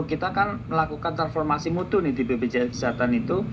kita kan melakukan transformasi mutu nih di bpjs kesehatan itu